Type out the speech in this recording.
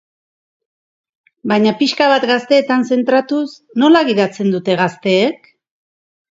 Baina pixka bat gazteetan zentratuz, nola gidatzen dute gazteek?